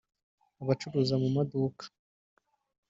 abacuruza mu maduka